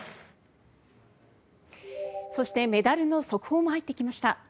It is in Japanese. そしてメダルの速報も入ってきました。